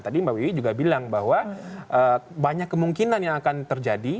tadi mbak wiwi juga bilang bahwa banyak kemungkinan yang akan terjadi